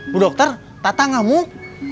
bu dokter tata ngamuk